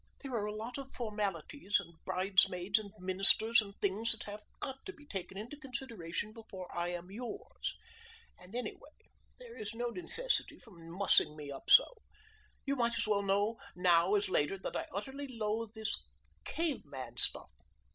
"There are a lot of formalities and bridesmaids and ministers and things that have got to be taken into consideration before I am yours. And anyway there is no necessity for mussing me up so. You might as well know now as later that I utterly loathe this cave man stuff.